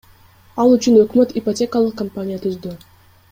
Ал үчүн өкмөт ипотекалык компания түздү.